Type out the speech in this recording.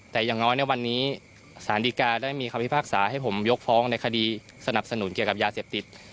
แต่อย่างน้อยในวันนี้สารดีกาได้มีคำพิพากษาให้ผมยกฟ้องในคดีสนับสนุนเกี่ยวกับยาเสพติด